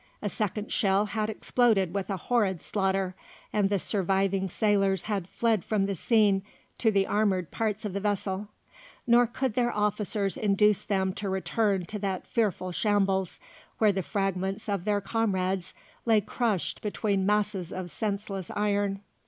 A second shell had exploded with a horrid slaughter, and the surviving sailors had fled from the scene to the armoured parts of the vessel; nor could their officers induce them to return to that fearful shambles, where the fragments of their comrades lay crushed between masses of senseless iron.